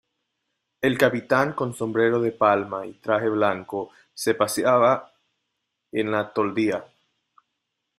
el capitán, con sombrero de palma y traje blanco , se paseaba en la toldilla: